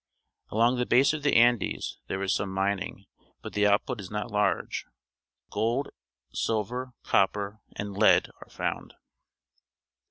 Along the ba.se of the Andes there is some mining, but the output is not large. Gold,_ silver, copper, an d lead are found.